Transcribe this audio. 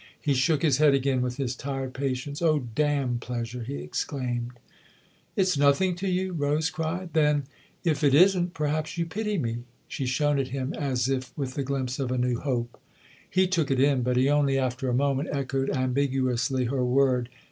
He shook his head again with his tired patience. " Oh, damn pleasure !" he exclaimed. " It's nothing to you ?" Rose cried. " Then if it isn't, perhaps you pity me ?" She shone at him as if with the glimpse of a new hope. He took it in, but he only, after a moment, echoed, ambiguously, her word.